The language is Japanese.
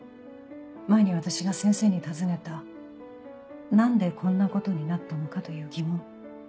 前に私が先生に尋ねた「何でこんなことになったのか」という疑問。